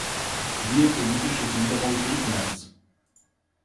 Siehe Politische Gliederung Griechenlands.